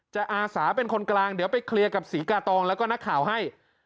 อาสาเป็นคนกลางเดี๋ยวไปเคลียร์กับศรีกาตองแล้วก็นักข่าวให้